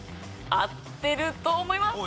合ってると思います。